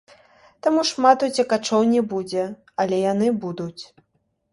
Таму шмат уцекачоў не будзе, але яны будуць.